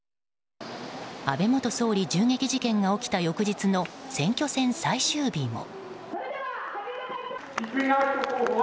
安倍元総理銃撃事件が起きた翌日の選挙戦最終日も。